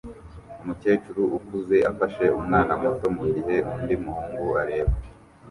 Umukecuru ukuze afashe umwana muto mugihe undi muhungu areba